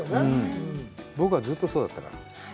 僕はずっとそうだったから。